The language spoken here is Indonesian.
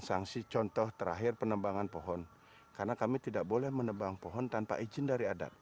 sanksi contoh terakhir penebangan pohon karena kami tidak boleh menebang pohon tanpa izin dari adat